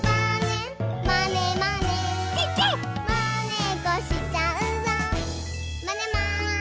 「まねっこしちゃうぞまねまねぽん！」